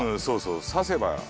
そうそう刺せば。